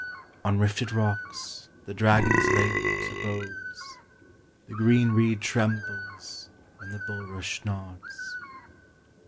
On rifted rocks, the dragon's late abodes, The green reed trembles, and the bulrush nods.